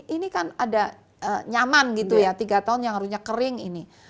ini kan ada nyaman gitu ya tiga tahun yang harusnya kering ini